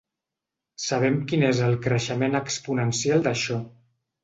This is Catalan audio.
Sabem quin és el creixement exponencial d’això.